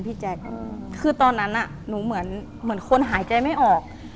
คือเหมือนตอนนั้นหนูหายใจไม่ออก